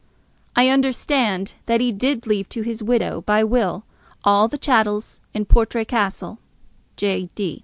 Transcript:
I understand that he did leave to his widow by will all the chattels in Portray Castle. J.